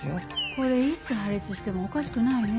これいつ破裂してもおかしくないねぇ。